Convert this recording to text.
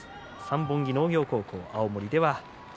三本木農業高校出身